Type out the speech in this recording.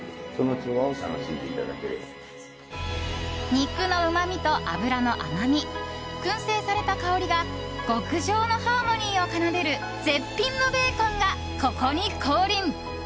肉のうまみと脂の甘み燻製された香りが極上のハーモニーを奏でる絶品のベーコンがここに降臨。